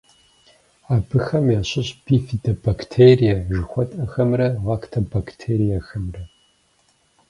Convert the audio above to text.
Абыхэм ящыщщ бифидобактерие жыхуэтӏэхэмрэ лактобактериехэмрэ.